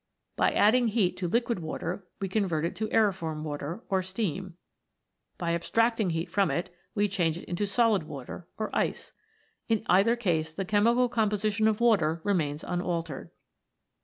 By adding heat to liquid water we convert it into aeriform water, or steam ; by abstracting heat from it, we change it into solid water, or ice ; in either case the chemical composi tion of water remains unaltered.